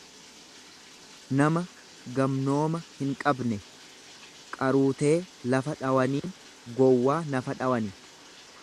nama gamnooma hinqabne; Qaruutee lafa dhawanii gowwaa nafa dhawani.